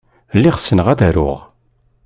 Lliɣ ssneɣ ad aruɣ.